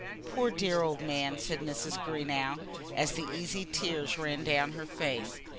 "Poor, dear old man!" said Mrs. Greenow, as the easy tears ran down her face.